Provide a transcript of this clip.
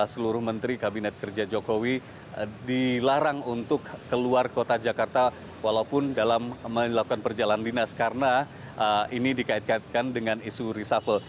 seluruh menteri kabinet kerja jokowi dilarang untuk keluar kota jakarta walaupun dalam melakukan perjalanan dinas karena ini dikait kaitkan dengan isu reshuffle